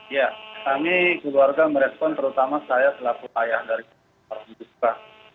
ya kami keluarga merespon terutama saya selaku ayah dari umur umur umur